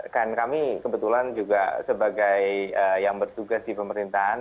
kan kami kebetulan juga sebagai yang bertugas di pemerintahan